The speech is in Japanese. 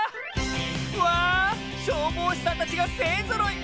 わ消防士さんたちがせいぞろい！